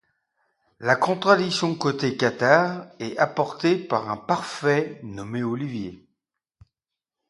La contradiction côté cathare est apportée par un parfait nommé Olivier.